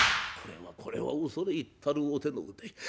「これはこれは恐れ入ったるお手の腕。